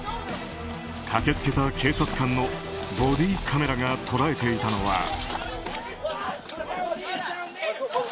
駆け付けた警察官のボディーカメラが捉えていたのは。